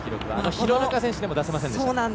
廣中選手でも出せませんでした。